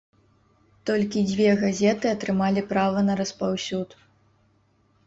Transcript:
Толькі дзве газеты атрымалі права на распаўсюд.